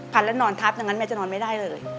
แล้วนอนทับอย่างนั้นแม่จะนอนไม่ได้เลย